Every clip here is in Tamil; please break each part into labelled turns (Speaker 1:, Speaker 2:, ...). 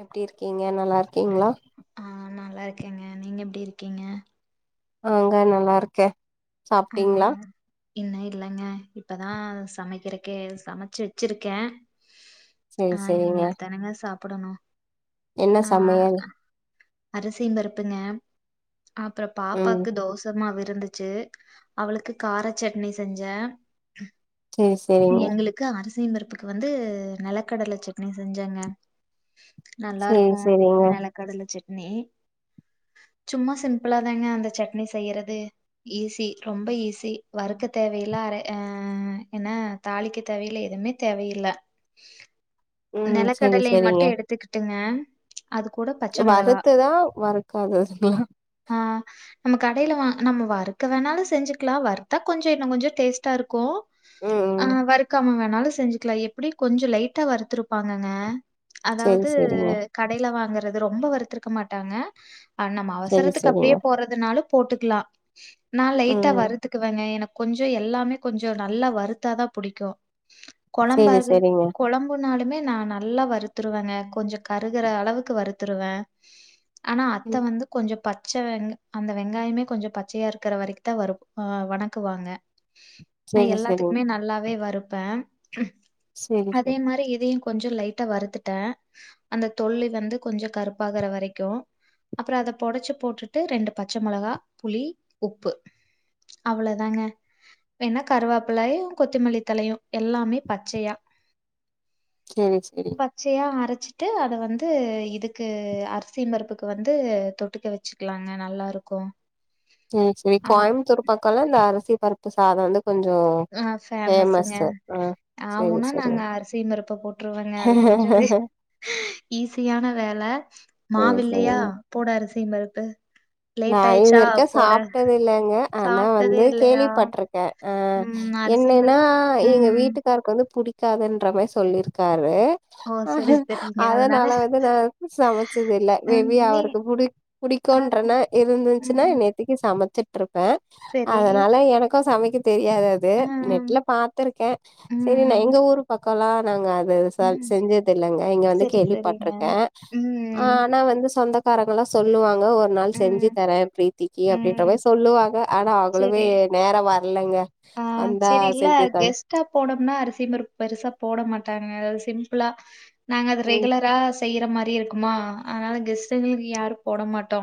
Speaker 1: எப்டி இருக்கீங்க நல்லா இருக்கீங்களா
Speaker 2: ஆ நல்லா இருக்கேங்க நீங்க எப்டி இருக்கீங்க
Speaker 1: ஆங்க நல்லா இருக்கே
Speaker 2: ஆ
Speaker 1: சாப்ட்டீங்களா
Speaker 2: இன்னு இல்லங்க இப்பதா சமைக்கிறக்கே சமச்சு வெச்சிருக்கே
Speaker 1: சேரி
Speaker 2: ஆ
Speaker 1: சேரிங்க
Speaker 2: இனிமேல தானங்க சாப்புடணு
Speaker 1: என்ன
Speaker 2: ஆமா
Speaker 1: சமையல்
Speaker 2: அரிசியு பருப்புங்க அப்புற
Speaker 1: ம்
Speaker 2: பாப்பாக்கு தோச மாவு இருந்துச்சு அவளுக்கு கார சட்னி செஞ்சே
Speaker 1: சேரி சேரிங்க
Speaker 2: எங்களுக் கு அரிசியு பருப்புக்கு வந்து நெலக்கடல சட்னி செஞ்சேங்க நல்லா
Speaker 1: சேரி
Speaker 2: இருக்கு
Speaker 1: சேரிங்க
Speaker 2: வெலக்கடல சட்னி சும்மா சிம்பிளா தான அந்த சட்னி செய்யறது ஈஸ் இ ரொம்ப ஈஸி வருக்க தேவயில்ல அர ஆ என்ன தாளிக்க தேவயில்ல எதுவுமே தேவ இல்ல
Speaker 1: ம் சேரி
Speaker 2: நெலக்கடலைய மட்டு
Speaker 1: சேரிங்க
Speaker 2: எடுத்துக்குட்டுங்க அது கூட ப
Speaker 1: வறுத்துதா வறுக்காத தெல்லா
Speaker 2: ஆ நம்ம கடையில வா நம்ம வறு த்து வேணாலு செஞ்சுக்குலா வறுத்தா கொஞ்ச இன்னு கொஞ்ச டேஸ்ட்டா இருக்கு
Speaker 1: ம்
Speaker 2: ஆ
Speaker 1: ம்
Speaker 2: வறுக்காம வேணாலு செஞ்சுக்குலா எப்டி கொஞ்ச லைட்டா வறுத்துருப்பாங்கங்க
Speaker 1: சேரி
Speaker 2: அதாவது
Speaker 1: சேரிங்க
Speaker 2: கடையில வாங்கறது ரொம்ப வறுத்துருக்க மாட்டாங்க ஆ நம்ம
Speaker 1: சேரி
Speaker 2: அவசரத்துக்கு
Speaker 1: சேரிங்க
Speaker 2: அப்டியே போட்றதுனால போட்டுக்குலா நா லைட்டா
Speaker 1: ம்
Speaker 2: வறுத்துக்குவேங்க எனக் கொஞ்ச எல்லாமே கொஞ்சொ நல்லா வருத்தாதா புடிக்கு கெழம்பா
Speaker 1: சேரி
Speaker 2: இருக்குறு
Speaker 1: சேரிங்க
Speaker 2: கொழம் புணாலுமே நா நல்லா வறுத்துருவேங்க கொஞ்சோ கருகுற அளவுக்கு வறுத்துருவே ஆனா அத்த
Speaker 1: ம்
Speaker 2: வந்து கொஞ்சோ பச்ச வெங்க அந்த வெங்காயமே கொஞ்சோ பச்சயா இருக் இருக்கற வரைக்கு தா வரு வணக்குவாங்க நா
Speaker 1: சேரி சேரிங்க
Speaker 2: எல்லாத்துக்குமே நல்லாவே வறுப்பே
Speaker 1: சேரி
Speaker 2: அதே
Speaker 1: சேரி
Speaker 2: மாரி இதயு கொஞ்சோ லைட்டா வறுத்துட்டே அந்த தொல்லி வந்து கொஞ்சோ கருப்பாகற வரைக்கு அப்பறோ அத பொடைச்சு போட்டுட்டு ரெண்டு பச்ச மெளகா புளி உப்பு அவ்ளோதாங்க வேணா கருவோப்பிலையு கொத்தமல்லித்தழையு எல்லாமே பச்சையா
Speaker 1: சேரி சேரி
Speaker 2: பச்சையா அரச்சிட்டு அத வந்து இதுக்கு அரிசி பருப்புக்கு வந்து தொட்டுக்க வ வச்சிக்கலாங்க நல்லா இருக்கு
Speaker 1: சேரி சேரி கோயமுத்தூர் பக்கலா இந்த அரிசி பருப்பு சாத வந்து கொஞ்சோ
Speaker 2: ஆ ஃபேமஸுங்க
Speaker 1: ஃபேமஸ்ஸு ஆ
Speaker 2: ஆ
Speaker 1: சேரி
Speaker 2: உனா நாங்க
Speaker 1: சேரிங்க
Speaker 2: அரிசி மருப்ப போட் டுவேங்க அது கொஞ்சோவே ஈஸியான வேல
Speaker 1: சேரி
Speaker 2: மாவில்லையா
Speaker 1: சேரிங்க
Speaker 2: போடு அரிசி பருப்பு லேட் ஆயிச்சா
Speaker 1: சாப்டது இல்லங்க ஆனா வந்து
Speaker 2: இல்லையா?
Speaker 1: கேள்விப்பட்ருக்கே அ
Speaker 2: ம். அரிசியும்
Speaker 1: என்னன்னா
Speaker 2: பருப்பு
Speaker 1: எங்க
Speaker 2: ம்.
Speaker 1: வீட்டுக் காருக்கு வந்து பிடிக்காதுன்றமாரி சொல்லிருக்காரு
Speaker 2: ஓ!
Speaker 1: அ
Speaker 2: சரி,
Speaker 1: ஹ
Speaker 2: சரிங்க.
Speaker 1: அதனால வந்து நா சமைச்சது இல்ல
Speaker 2: ம்
Speaker 1: மேபி
Speaker 2: நீ
Speaker 1: அவருக்கு புடி
Speaker 2: ஆ
Speaker 1: பிடிக்குன்றனா இருந்துச்சுன்னா
Speaker 2: ம்.
Speaker 1: என்ய த்திக்கி சமச்சுட்டு ருப்பே
Speaker 2: சரி.
Speaker 1: அதனால எனக்கு சமைக்க தெரியாது அது
Speaker 2: ஆ
Speaker 1: நெட்ல பாத்திருக்கே சேரி நா
Speaker 2: ம்.
Speaker 1: எங்க ஊரு பக் கோலா நாங்க அது ச
Speaker 2: ம்.
Speaker 1: செஞ்சது இல்லங்க இங்க வந்து
Speaker 2: சரி, சரிங்க.
Speaker 1: கேள்விப்பட்ருக்கே ஆ
Speaker 2: ம்.
Speaker 1: நா வந்து சொந்த காரங்களல்லா சொல்லுவாங்க ஒரு நாள் செஞ்சு
Speaker 2: ம்,
Speaker 1: தரே பிரீத்திக்கு அப்டின்ற
Speaker 2: ம்.
Speaker 1: மாரி சொல்லுவாங்க ஆனா
Speaker 2: சரி.
Speaker 1: அவ்வளவே நேர வரலைங்க வந்தா செஞ்சி தாரே
Speaker 2: ட்டா போடனுனா அரிசிபருப்பு பெருசா போட மாட்டாங்க அதாவது சிம்பிளா நாங்க அது
Speaker 1: ம்
Speaker 2: ரெகுலரா செய்ற மாரி இருக்குமா அதனால கெஸ்ட்டுங்களுக்கு யாரு போட மாட்டோ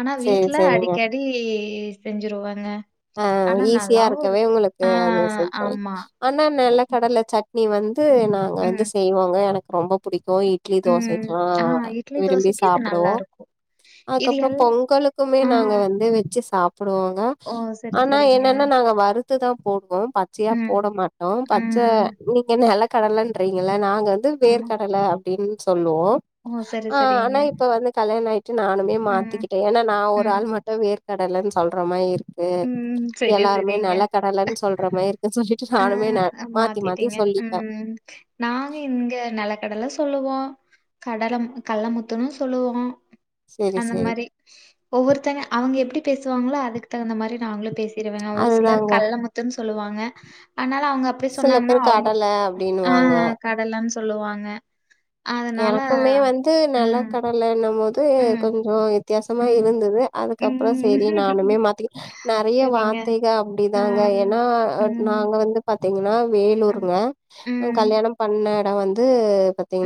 Speaker 2: ஆனா
Speaker 1: சரி
Speaker 2: வீட்ல
Speaker 1: சரிங்க
Speaker 2: அடிக்கடி செஞ்சிருவோங்க
Speaker 1: ஆ ஈஸியா இருக்கவே உங்களுக்கு அது செஞ்சுரே
Speaker 2: ஆமா.
Speaker 1: ஆனா நெல கடல சட் னி வந்து நாங்க வந்து
Speaker 2: ம்,
Speaker 1: செய்வோங்க எனக்கு ரொம்ப புடிக்கு இ இட்லி
Speaker 2: ம்.
Speaker 1: தோசைக்ல்லா
Speaker 2: ஆ இட்லி,
Speaker 1: விரும்பி
Speaker 2: தோசைக்கு இது
Speaker 1: சாப்டுவோ
Speaker 2: நல்லாருக்கும். இது
Speaker 1: அதுக்கப்பறோ
Speaker 2: எல்
Speaker 1: பொங்கலுக்குமே
Speaker 2: ஆ
Speaker 1: நாங்க வந்து வச்சு சாப்டுவோங்க
Speaker 2: ஓ சரி,
Speaker 1: ஆனா
Speaker 2: சரிங்க.
Speaker 1: என்னன்னா நாங்க வறுத்து தா போடுவோ ப பச்சயா
Speaker 2: ம்,
Speaker 1: போட மாட்டோ பச்ச
Speaker 2: ம்.
Speaker 1: நீங்க என்ன நெல கடலன்றீங்கள நாங்க வந்து
Speaker 2: ஆமா.
Speaker 1: வேர் கடல அப்டினு சொல்லுவோ
Speaker 2: ஓ சேரி
Speaker 1: ஆ ஆனா இப்ப வந்து கல்யாண ஆயிட்டு நானுமே
Speaker 2: ம்,
Speaker 1: மாத்திக்கிட்டே ஏனா நா ஒரு
Speaker 2: ம்,
Speaker 1: ஆள் மட்டு வேர் கடலனு சொல்ற மாரியே இருக்கு
Speaker 2: ம். சரி,
Speaker 1: எல்லாருமே நெல கடலன்னு சொல்ற மாரி இருக்குனு சொல்லி
Speaker 2: அ ஹ மாத்திட்டீங்க ம் நாங்க இங்க நெலக்கடல சொல்லுவோ கடல கல்லமுத்துணு சொல்லுவோ
Speaker 1: சரி
Speaker 2: அந்த
Speaker 1: சரி
Speaker 2: மாரி ஒவ்வொருத்தங்க அவுங்க எப்டி பேசுவாங்களோ அதுக்கு தகுந்த மாரி நாங்களு பேசு திறவங்க ஒரு சிலர்
Speaker 1: அதுதாங்க
Speaker 2: கல்ல முத்துன்னு சொல்லுவாங்க அதனால அவுங்க அப்டி
Speaker 1: சில
Speaker 2: சொன்னாங்கன்னா
Speaker 1: பேர்
Speaker 2: அவுங்க
Speaker 1: கடலை
Speaker 2: ஆ
Speaker 1: அப்படின்னுவாங்க
Speaker 2: கடலனு சொல்லுவாங்க அதனால
Speaker 1: எனக்குமே வந்து நல
Speaker 2: ம்,
Speaker 1: கடலைண்ணும்போது
Speaker 2: ம்,
Speaker 1: கொஞ்சோ வித்தியாசமா
Speaker 2: ம்,
Speaker 1: இருந்தது அதுக்கப்றோ சேரி நானுமே
Speaker 2: ம்.
Speaker 1: மாத்தி நெறைய
Speaker 2: சரிங்க.
Speaker 1: வார்த்தைக அப்டிதாங்க
Speaker 2: ம்,
Speaker 1: ஏனா
Speaker 2: ம்,
Speaker 1: நாங்க வந்து பாத்தீங்கனா
Speaker 2: ம்,
Speaker 1: வேலூருங்க நாங்
Speaker 2: ம்.
Speaker 1: கல்யாணம் பண்ண எடோ வந்து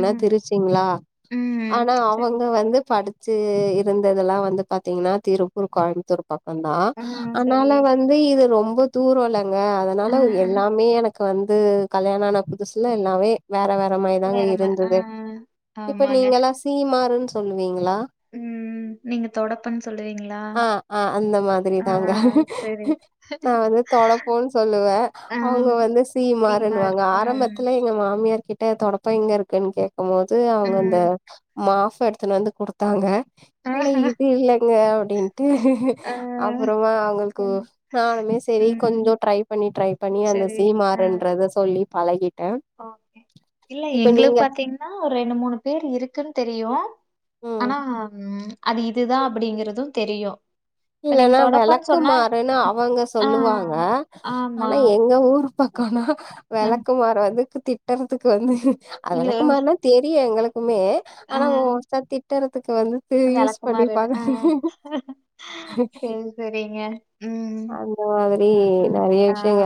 Speaker 2: ம்
Speaker 1: திருச்சிங்ளா
Speaker 2: ம்.
Speaker 1: ஆனா
Speaker 2: சரி
Speaker 1: அவுங்க வந்து படு ச்சிருந்ததெல்லா வந்து பாத்தீங்கன்னா திருப்பூர் கோயம்புத்தூர் பக்கந்தான்
Speaker 2: ஆ சரி
Speaker 1: அதனால வ ந்து இது ரொம்ப தூரோல்லங்க
Speaker 2: ஆ,
Speaker 1: அதனால
Speaker 2: ஆ.
Speaker 1: எல்லாமே என க்கு வந்து கல்யாண ஆன புதுசுல எல்லாமே வேற வேற மாரிதாங்க
Speaker 2: வேற ம ஆ
Speaker 1: இருந்துது இப்ப
Speaker 2: ஆமாங்க.
Speaker 1: நீங்கெல்லா சீமாருன்னு சொல்லுவீங்ளா
Speaker 2: ம் நீங்க தொடப்பன்னு சொல்லுவீங்ளா
Speaker 1: ஆ ஆ அந்த மாதிரி
Speaker 2: ஆ
Speaker 1: தாங்க
Speaker 2: சரி
Speaker 1: நா வந்து தொடப்போன்னு சொல்லுவேன்
Speaker 2: ஆ.
Speaker 1: அவுங்க வந்து
Speaker 2: சீமார்.
Speaker 1: சீமாருன்னுவாங்க
Speaker 2: ம். அம்.
Speaker 1: ஆரம்பத்துல எங்க மாமியார் கிட்ட தொடப்போ எங்க இருக்குன்னு கேக்கும்போது அவுங்க அந்த
Speaker 2: ம்.
Speaker 1: மாஃப எடுத்துன்னு வந்து குடுத்தாங்க இல்ல இது இல்லங்க அப்டின்ட்டு
Speaker 2: ஆ
Speaker 1: அப்புறமா அவுங்களுக்கு
Speaker 2: என்
Speaker 1: நானுமே சரி கொஞ்சோ
Speaker 2: ம்.
Speaker 1: ட்ரை பண்ணி ட்ரை பண்ணி அந்த
Speaker 2: சரி.
Speaker 1: சீமாறுன்றத சொல்லி பழகிட்ட
Speaker 2: அங் இல்ல எங்களுக்கு பாத்தீங் ஒரு ரெண்டு மூணு பேர் இருக்குன்னு தெரியு
Speaker 1: ம்
Speaker 2: ஆனா ம் அது இதுதான் அப்டிங்கறது தெரியு
Speaker 1: இல்லனா விளக்கு மாறன்னு
Speaker 2: அ
Speaker 1: அவூங்க
Speaker 2: ஆ.
Speaker 1: சொல்லுவாங்க
Speaker 2: ஆமா.
Speaker 1: ஆனா எங்க ஊர் பாக்கோனா
Speaker 2: அ
Speaker 1: விளக்குமாறு வந்து திட்டறதுக்கு வந்து அ
Speaker 2: யோ
Speaker 1: விளக்குமாறுனா தெரியு எங்களுக்குமே ஆனா
Speaker 2: ஆ.
Speaker 1: மோஸ்ட்டா திட்டறதுக்கு வந்துட்டு யூஸ்
Speaker 2: விளக்குமாறு
Speaker 1: பண்ணிபாங்க
Speaker 2: ஆ சேரி சேரிங்க ம்
Speaker 1: அந்த மாரி நெறைய
Speaker 2: ஆ
Speaker 1: விஷ்யங்க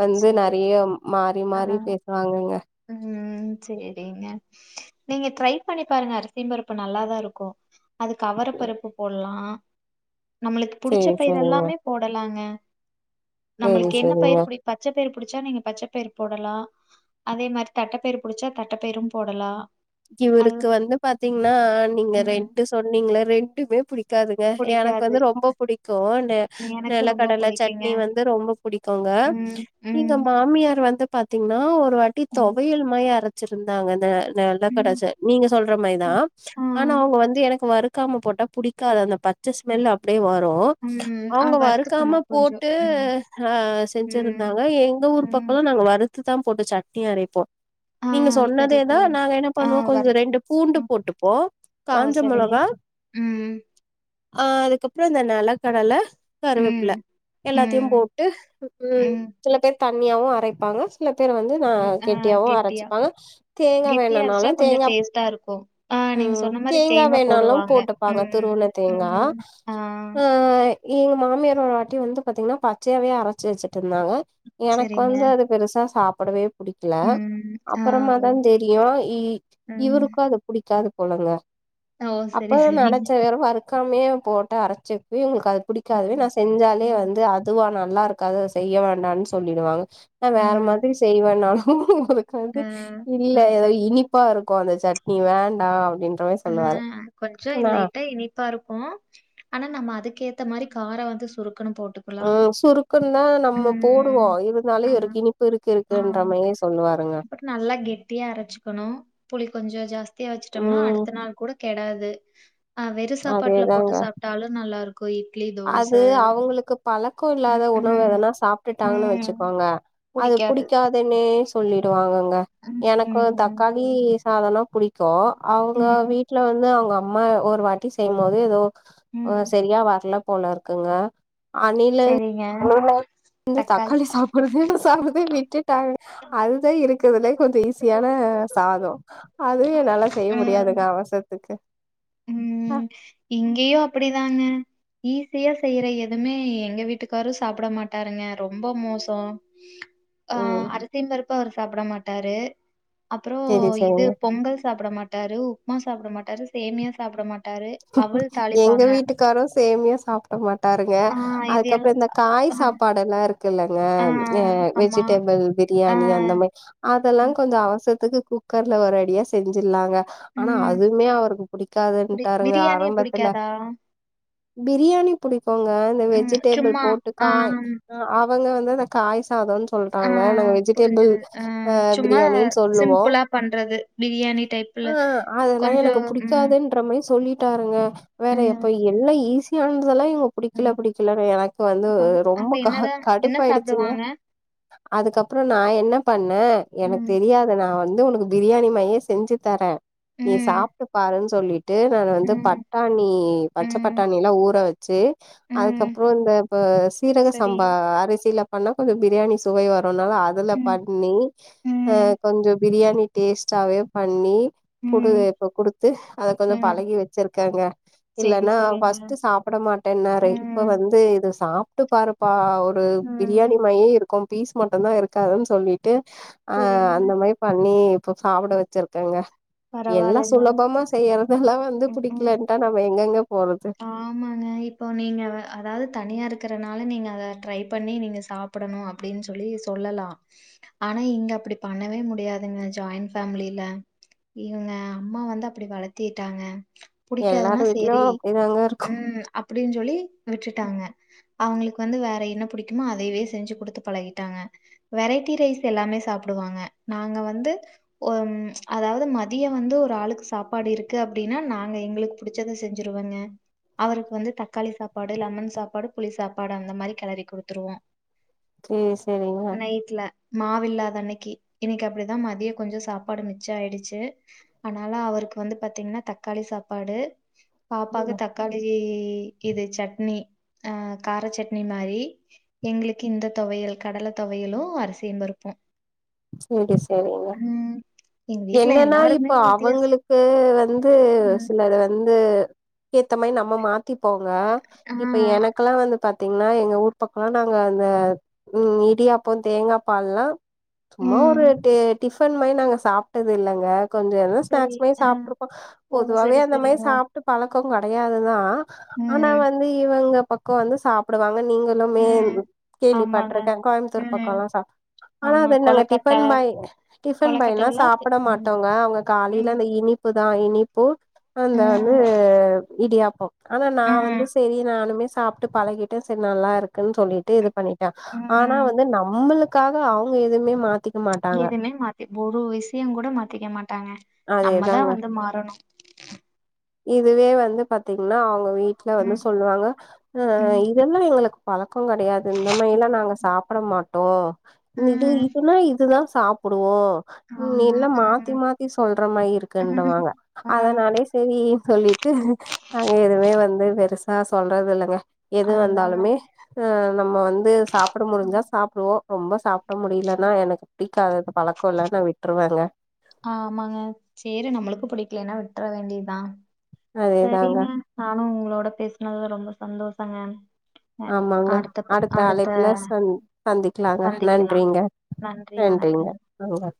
Speaker 1: வந்து
Speaker 2: சேரி
Speaker 1: நெறைய மாறி
Speaker 2: ஆ
Speaker 1: மாறி பேசுவாங்கங்க
Speaker 2: ம் சேரிங்க நீங்க ட்ரை பண்ணி பாருங்க அரிசிம் பருப்பு நல்லாதான் இருக்கு அதுக்கு அவரப்பருப்பு போல்லா நம்மளுக்கு புடிச்ச
Speaker 1: சேரி
Speaker 2: பயிர்
Speaker 1: சேரிங்க.
Speaker 2: எல்லாமே போடலாங்க
Speaker 1: சேரி
Speaker 2: நம்மளுக்கு என்ன
Speaker 1: சேரிங்க.
Speaker 2: பயிர் புடி பச்சைப்பயர் புடிச்சா நீங்க பச்சைப்பயர் போடலா அதே மாரி தட்டைப்பயர் புடிச்சா தட்டைப்பயரும் போடலா அது
Speaker 1: இவருக்கு வந்து பாத்தீங்னா நீங்க
Speaker 2: ம்
Speaker 1: ரெண்டு சொன்னீங்கல்ல ரெண்டுமே புடி க்காதுங்க எனக்கு
Speaker 2: புடிக்காது
Speaker 1: வந்து ரொம்ப புடிக்கு
Speaker 2: எனக்கு ரொம்ப
Speaker 1: நிலக்கடலை
Speaker 2: புடிக்குங்க
Speaker 1: சட்னி வந்து ரொம்ப புடிக்குங்க
Speaker 2: ம்
Speaker 1: இங்க
Speaker 2: ம்
Speaker 1: மாமியார் வந்து பாத்தீங்னா ஒரு வாட்டி
Speaker 2: ம்
Speaker 1: தொவையல் மாரி அரச்சிருந்தாங்க அந்த
Speaker 2: ம்
Speaker 1: கடச்ச நீங்க சொல்ற மாரிதா
Speaker 2: ஆ
Speaker 1: ஆனா அவுங்க வந்து எனக்கு வரு க்காம போட்டா புடிக்காது அந்த பச்ச ஸ்மெல் அப்டியே வரு
Speaker 2: ம் ஆ
Speaker 1: அவுங்க வறுக்காம
Speaker 2: வறுத்துக்கணும் கொஞ்சம்.
Speaker 1: போட்டு
Speaker 2: ம்.
Speaker 1: அ
Speaker 2: ம்.
Speaker 1: செஞ்சிருந்தாங்க எங்க ஊர்
Speaker 2: ம்.
Speaker 1: பக்கோல்லா நாங்க வரு த்துதான் போட்டு சட்னி அரைப்போ
Speaker 2: ஆ
Speaker 1: நீங்க
Speaker 2: சரி,
Speaker 1: சொன்னதேதா
Speaker 2: சரி.
Speaker 1: நாங்க என்ன
Speaker 2: ஆ
Speaker 1: பண்ணுவோ கொஞ்சோ
Speaker 2: வறு
Speaker 1: ரெண்டு பூண்டு
Speaker 2: ம்.
Speaker 1: போட்டுப்போ
Speaker 2: ஓ!
Speaker 1: காஞ்ச
Speaker 2: சரி.
Speaker 1: மொளகா
Speaker 2: ம்.
Speaker 1: ஆ அதுக்கப்றோ அந்த நல கடல கருவேப்பல
Speaker 2: ம்.
Speaker 1: எல்லாத்தையும்
Speaker 2: ம்.
Speaker 1: போட்டு ம் சில பேர் தண்ணியாவும் அரைப்பாங்க சில பேர் வந்து ந
Speaker 2: ம். ஆ
Speaker 1: கெட்டியாவும்
Speaker 2: கெட்டியா.
Speaker 1: அரைச்சிப்பாங்க தேங்கா வேணா
Speaker 2: கெட்டியா
Speaker 1: லு
Speaker 2: அரைச்சா கொஞ்சம்
Speaker 1: தேங்கா
Speaker 2: டேஸ்ட்டா இருக்கும். ஆ நீங்க
Speaker 1: ம்
Speaker 2: சொன்ன மாரி
Speaker 1: தேங்கா வேணாலும்
Speaker 2: போடுவாங்க.
Speaker 1: போட்டுப்பாங்க
Speaker 2: ம்.
Speaker 1: துருவண தேங்கா
Speaker 2: ம். ஆ
Speaker 1: ஓ ஓய் எங்க மாமியார் ஒரு வாட்டி வந்து பாத்தீங்கன்னா பச்சையாவே அரச்சு வச்சுட்ருந்தாங்க எனக்கு
Speaker 2: சரிங்க.
Speaker 1: வந்து அது பெருசா சாப்புடவே புடிக்கல
Speaker 2: ம். ஆ
Speaker 1: அப்பறமா தா
Speaker 2: ஓ!
Speaker 1: தெரியு ஈ
Speaker 2: ம்.
Speaker 1: இவருக்கு அது புடிக்காது போலங்க
Speaker 2: ஓ! சரி,
Speaker 1: அப்பதா
Speaker 2: சரிங்க.
Speaker 1: நெனச்ச வெரவாருக் காமையே போட்டு அரைச்சப்பையு உங்களுக்கு அது புடிக்காதவே
Speaker 2: ம்.
Speaker 1: நா செஞ்சாலே
Speaker 2: ம்.
Speaker 1: வந்து அது பொதுவா நல்லா இருக்காது அது செய்ய வேண்டான்னு சொல்லிடுவாங்க நா வேற
Speaker 2: ம்.
Speaker 1: மாதிரி செய்வேன்னாலு
Speaker 2: ஆ.
Speaker 1: சந்திக் இல்ல
Speaker 2: ம்.
Speaker 1: எதோ
Speaker 2: சரி.
Speaker 1: இனிப்பா இருக்கு அந்த சட்னி வேண்டா அப்டின்னு ட்றவே சொல்லுவாரு என்னா
Speaker 2: ப்பா இருக்கு ஆனா நம்ம அதுக்கேத்த மாரி காரோ வந்து சுருக்குணு போட்டுக்
Speaker 1: ம் சுருக்குன் தான் நம்ம போடுவோ இருந்தாலும் இவரு
Speaker 2: ஆமா.
Speaker 1: இனிப்பு இருக்கு
Speaker 2: ஆ.
Speaker 1: இருக்குன்றமையே சொல்லுவாருங்க
Speaker 2: அப்புறம் நல்லா கெட்டியா அரச்சுக்கணு புளி கொஞ்சோ ஜாஸ்தியா வச்சுட்டோம்னா
Speaker 1: ம்
Speaker 2: அடுத்த நாள் கூட கெடாது ஆ வெறு சாப்பாட்டுல போட்டு
Speaker 1: அதேதாங்க
Speaker 2: சாப்ட்டாலு நல்லா இருக்கு இட்லி தோ
Speaker 1: அது அவுங்களுக்கு பழக்கோ இல்லாத
Speaker 2: ம்,
Speaker 1: உணவு
Speaker 2: ம்,
Speaker 1: எதனா சாப் விட்டுட்டாங்கன்னு
Speaker 2: ம்.
Speaker 1: வச்சுக்கோங்க அது
Speaker 2: புடிக்காது.
Speaker 1: புடிக்காதுன்னே சொல்லிடுவாங்க ங்க
Speaker 2: ம்,
Speaker 1: எனக்கு வந்து
Speaker 2: ம்.
Speaker 1: தக்காளி
Speaker 2: சரி.
Speaker 1: சாதோனா புடிக்கு அவுங்க
Speaker 2: ம்,
Speaker 1: வீட்ல வந்து அவுங்க அப் அம்மா ஒரு வாட்டி செய்யும்போது எதோ
Speaker 2: ம்.
Speaker 1: செரியா வர்ல போல இருக்குங்க
Speaker 2: செரிங்க
Speaker 1: ந்து தக்காளி சாப்புட்றதயே சாப்புறதயே விட்டுட்டாருங் அதுதா இருக்குறதுலயே கொஞ்சோ ஈஸியான சாதோ அதுவு என்னால செய்ய
Speaker 2: ம்.
Speaker 1: முடியாதுங்க அவசரத்துக்கு ஆ
Speaker 2: இங்கையு அப்புடிதானே ஈஸியா செய்யுற எதுவுமே எங்க வீட்டுக்காரும் சாப்புட மாட்டாருங்க ரொம்ப மோசோ ஆ
Speaker 1: ம்
Speaker 2: அரிசியு பருப்பு அவரு சாப்புட மாட்டாரு அப்பறோ
Speaker 1: செரி செரிங்க
Speaker 2: இது பொங்கல் சாப்புட மாட்டாரு உப்புமா சாப்புட மாட்டாரு சேமியா சா சாப்புட மாட்டாரு அவல்
Speaker 1: எங்க
Speaker 2: தாளிப்பாங்க.
Speaker 1: வீட்டுக்காரும் சேமியா சாப்புட மாட்டாருங்க
Speaker 2: ஆ, இது
Speaker 1: அதுக்கப்பறோ
Speaker 2: எல்லாம்
Speaker 1: இந்த காய்
Speaker 2: ஆ,
Speaker 1: சாப்பாடெல்லா இருக் க்குல்லங்க
Speaker 2: ஆ,
Speaker 1: அ
Speaker 2: ஆமா.
Speaker 1: வெஜிடேபுள்
Speaker 2: ஆ,
Speaker 1: பிரியாணி அந்த மாரி அதல்லா கொஞ்சோ அவசரத்துக்கு குக்கர்ல ஒரு அடியா செஞ்சுர்லாங்க ஆனா
Speaker 2: ம்.
Speaker 1: அதுவுமே அவருக்கு
Speaker 2: பிரி
Speaker 1: புடிக்காதுன்னுட்டாருங்க
Speaker 2: பிரியாணியே
Speaker 1: ஆரம்பத்துல
Speaker 2: பிடிக்காதா?
Speaker 1: பிரியாணி புடிக்கோங்க அந்த
Speaker 2: ம்,
Speaker 1: வெஜிடேபுள்
Speaker 2: சும்மா
Speaker 1: போட்டு
Speaker 2: ஆ,
Speaker 1: காய் ஆ அவங்க வந்து அந்த காய் சாதோனு
Speaker 2: ஆ
Speaker 1: சொல்றாங்க நாங்க வெஜிடேபுள்
Speaker 2: புரிஞ்சது. ஆ,
Speaker 1: அ
Speaker 2: சும்மா
Speaker 1: பிரியாணின் சொல்லுவோ
Speaker 2: சிம்பிளா பண்றது. பிரியாணி டைப்ல.
Speaker 1: ஆ அதல்லா எனக்கு
Speaker 2: கொஞ்சம் ம்
Speaker 1: புடிக்காதுன்றமயே சொல்லிட்டாருங்க வேற
Speaker 2: ம்
Speaker 1: எப்ப எல்லா ஈஸியானதல்லா இவுங்க புடிக்கல
Speaker 2: ம்
Speaker 1: புடிக்கலன்னு எனக்கு வந்து
Speaker 2: அப்ப அப்ப
Speaker 1: ரொம்ப க
Speaker 2: என்னதான் என்ன
Speaker 1: கடுப்பாயிடுச்சுங்க
Speaker 2: சாப்பிடுவாங்க
Speaker 1: அதுக்கப்பறோ நா என்ன பண்ணே எனக்கு
Speaker 2: ம்
Speaker 1: தெரியாது நா வந்து உனக்கு பிரியாணி மார்யே செஞ்சு தரே நீ
Speaker 2: ம்
Speaker 1: சாப்ட்டு பாருன்னு சொல்லிட் விட்டு நானு வந்து
Speaker 2: ம்
Speaker 1: பட்டாணி பச்ச
Speaker 2: ம்
Speaker 1: பட்டாணி எல்லா ஊற வச்சு
Speaker 2: ம்
Speaker 1: அதுக்கப்பறோ இந்த ப சீரக
Speaker 2: சரி
Speaker 1: சம்பா அரிசியில பண்ணா கொஞ்சோ பிரியாணி துவை வருன்னால அதுல
Speaker 2: ம்
Speaker 1: பண்ணி அ
Speaker 2: ம்
Speaker 1: கொஞ்சோ பிரியாணி டேஸ்ட்டாவே பண்ணி குடு
Speaker 2: ம்
Speaker 1: இப்ப குடுத்து அத கொஞ்சோ
Speaker 2: ம்
Speaker 1: பழகி வச்சுருக்கேங்க
Speaker 2: சரி
Speaker 1: இல்லன்னா
Speaker 2: சரிங்க
Speaker 1: ஃபஸ்ட்டு சாப்ட மாட்டன்னாரு இப்ப
Speaker 2: ம்
Speaker 1: வந்து இது சாப்ட்டு பாரு பா ஒரு பிரியாணி
Speaker 2: ம்
Speaker 1: மாயே இருக்கும் பீஸ் மட்டுந்தா இருக்காதுன் சொல்லிட்டு ஆ
Speaker 2: சரிங்க
Speaker 1: அந்த மாரி பண்ணி இப்ப சாப்புட வெச்சிருக்கங்க எல்லா
Speaker 2: பரவாயில்லைங்க
Speaker 1: சுலபமா செய்யற த வந்து
Speaker 2: ம் ம்
Speaker 1: புடிக்கலன்ட்டா நம்ம எங்கெங்க போறது
Speaker 2: ஆமாங்க இப்போ நீங்க அத அதாவது தனியா இருக்கறனால நீங்க அத ட்ரை பண்ணி நீங்க‌சாப் படணு அப்டின் சொல்லி சொல்லலா ஆனா இங்க அப்டி பண்ணவே முடியாதுங்க ஜாயிண்ட் ஃபேம்லில இவங்க அம்மா வந்து அப்டி வளர்த்திடாங்க புடிக்காதுன்னா செரி
Speaker 1: ன்னாங்கர்
Speaker 2: ம் அப்டின் சொல்லி விட்டுட்டாங்க அவங்களுக்கு வந்து வேற என்ன புடிக்குமோ அதையவே செஞ்சு குடுத்து பழகிட்டாங்க வெரைட்டி ரைஸ் எல்லாமே சாப்புடுவாங்க நாங்க வந்து வொம் அதாவது மதிய வந்து ஒரு ஆளுக்கு சாப்பாடு இருக்கு அப்டினா நாங்க எங்ளுக்கு புடிச்சத செஞ்சிருவங்க அவருக்கு வந்து தக்காளி சாப்பாடு லெமன் சாப்பாடு புளி சாப்பாடு அந்த மாரி கெளறி குடுத்துருவோ
Speaker 1: சேரி சேரிங்க
Speaker 2: நைட்ல மாவில்லாத அன்னைக்கி இன்னைக்கு அப்டிதா மதியோ கொஞ்சோ சாப்பாடு மிச்சம் ஆயிடுச்சி அனால அவருக்கு வந்து பாத்தீங்கன்னா தக்காளி சாப்பாடு பாப்பாக்கு
Speaker 1: ம்
Speaker 2: தக் காளி இது சட்னி ஆ கார சட்னி மாரி எங்களுக்கு இந்த தொவையல் கடலை தொவையலு அரிசியுபருப்பு
Speaker 1: செரி செரிங்க
Speaker 2: எங்க வீட்ல
Speaker 1: என்னன்னா
Speaker 2: எல்லாருமே
Speaker 1: இப்ப
Speaker 2: வித்தியாசம்
Speaker 1: அவங்களுக்கு வந்து
Speaker 2: ம்
Speaker 1: சிலது வந்து ஏத்த மாயி நம்ம மாத்திப்போங்க
Speaker 2: ஆ
Speaker 1: இப்ப எனக்கெல்லா வந்து பாத் திங்னா எங்க ஊர் பக்கம்லா நாங்க அந்த ம் இடியாப்பம் தேங்கா பால்லா சும்மா ஒரு
Speaker 2: ம்
Speaker 1: டி டிஃபன் மாயி நாங்க சாப்ட்டது இல்லங்க கொஞ்ச எதோ
Speaker 2: சரி
Speaker 1: ஸ்நாக்ஸ் மாயி
Speaker 2: ஆ
Speaker 1: சாப்ட்ருப்போ
Speaker 2: ஓ
Speaker 1: பொதுவாவே
Speaker 2: சரி
Speaker 1: அந்த மாயி
Speaker 2: சரிங்க
Speaker 1: சாப்ட்டு பழக்கோ கெடையாதுதா ஆனா
Speaker 2: ம்
Speaker 1: வந்து இவங்க பக்க வந்து சாப்டுவாங்க நீங்க ளுமேன்
Speaker 2: ம் ஆமாங்க
Speaker 1: கேள்விப்பட்டுருக்கே கோயம்புத்தூர்
Speaker 2: ம்
Speaker 1: பக்கம்லா சாப் ஆனா
Speaker 2: ஆமா
Speaker 1: அத நாங்க
Speaker 2: கொலக்கட்ட
Speaker 1: டிபன் மாயி டிபன்
Speaker 2: கொலக்கட்டை
Speaker 1: பண்ணிலா
Speaker 2: எல்லாம் தெ
Speaker 1: சாப்பட
Speaker 2: ம்
Speaker 1: மாட்டோங்க அவங்க காலையில அந்த
Speaker 2: ம்
Speaker 1: இட் இனிப்பு தா இனிப்பு அந்த வந்து
Speaker 2: ம்
Speaker 1: இடியாப்பம் ஆனா நா வந்து
Speaker 2: ம்
Speaker 1: சரி நானுமே சாப்ட்டு பழகிட்டே செரி நல்லா இருக்குன் சொல்லிட்டு இது பண்ணி ஆனா
Speaker 2: ம்
Speaker 1: வந்து நம்ளுக்காக அவங்க எதுமே மாத்
Speaker 2: எதுமே மாத்தி ஒரு விஷயோங் கூட மாத்திக்க மாட்டாங்க நம்மதா
Speaker 1: அதேதாங்க
Speaker 2: வந்து மாறணு
Speaker 1: இதுவே வந்து பாத்தீங்கன்னா அவங்க வீட்ல வந்து
Speaker 2: ம்
Speaker 1: சொல்லுவாங்க அ
Speaker 2: ம்
Speaker 1: இதெல்லா எங்களுக்கு பழக்கோ கெடையாது இந்த மாயியெல்லா நாங்க சாப்பட மாட்டோம் இது
Speaker 2: ம்
Speaker 1: இதுன்னா இதுதா சாப் புடுவோ உ
Speaker 2: ஆமா
Speaker 1: இல்ல மாத்தி மாத்தி சொல்ற மாயி
Speaker 2: ம்.
Speaker 1: இருக்குன்றவாங்க
Speaker 2: ஆ
Speaker 1: அதனாலே செரி சொல்லிட்டு அங்க எதுவுமே வந்து பெருசா சொல்றது இல்லங்க
Speaker 2: அதுதாங்க
Speaker 1: எதுவந்தாலுமே அஹ் நம்ம வந்து சாப்பிட முடிஞ்சா சாப்புடுவோ ரொம்ப சாப்பட முடியலன்னா எனக்கு புடிக்காதது பழக்கோ இல்ல நா விட்டுருவேங்க
Speaker 2: ஆமாங்க சேரி நம்மளுக்கு புடிக்கலேனா விட்டுற வேண்டித்தா
Speaker 1: அதேதாங்க
Speaker 2: செரிங்க நானு உங்களோட பேசினது ரொம்ப சந்தோஷங்க அ
Speaker 1: ஆமாங்க
Speaker 2: அடுத்தப் அடுத்த
Speaker 1: அழைப்புல சந் சந்திக்கலாங்க
Speaker 2: சந்திக்கலா நன்றி வணக்
Speaker 1: ங்க ஆங்க